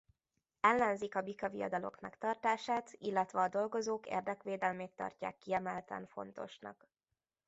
Ellenzik a bikaviadalok megtartását illetve a dolgozók érdekvédelmét tartják kiemelten fontosnak.